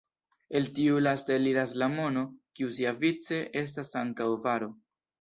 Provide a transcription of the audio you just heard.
El tiu lasta eliras la mono, kiu siavice estas ankaŭ varo.